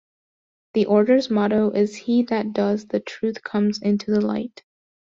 The order's motto is He that does the truth comes into the light.